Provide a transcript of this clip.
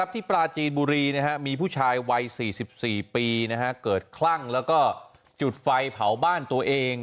ที่ปลาจีนบุรีมีผู้ชายวัย๔๔ปีเกิดคลั่งแล้วก็จุดไฟเผาบ้านตัวเอง